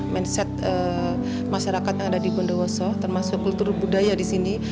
mindset masyarakat yang ada di bondowoso termasuk kultur budaya di sini